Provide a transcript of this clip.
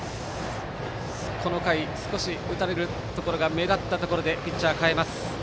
この回少し打たれるところが目立ったところでピッチャー代えます。